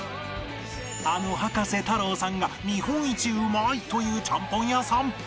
あの葉加瀬太郎さんが日本一うまいと言うちゃんぽん屋さん